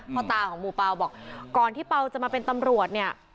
พ่อตาของหมู่เปล่าบอกก่อนที่เปล่าจะมาเป็นตำรวจเนี่ย